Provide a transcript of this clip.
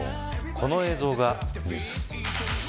この映像がニュース。